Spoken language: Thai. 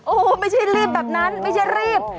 โอ้โหไม่ใช่รีบแบบนั้นไม่ใช่รีบ